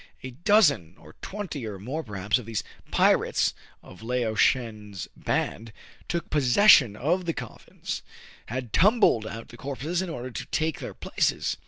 A dozen or twenty, or more perhaps, of these pirates of Lao Shen's band, taking possession of the coffins, had tumbled out the corpses, in order to take their places.